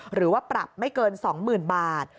หรือว่าปรับไม่เกิน๒๐๐๐บาท